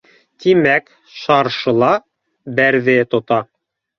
— Тимәк, шаршыла бәрҙе тота